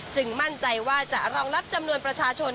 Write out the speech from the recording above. มั่นใจว่าจะรองรับจำนวนประชาชน